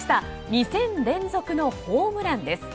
２戦連続のホームランです。